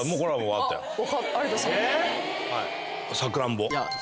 『さくらんぼ』。